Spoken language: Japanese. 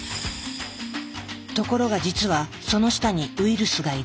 ところが実はその下にウイルスがいる。